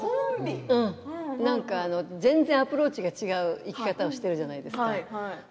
なんか全然アプローチが違う生き方をしているじゃないですか。